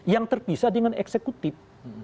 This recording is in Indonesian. yang terpisah dengan eksekutif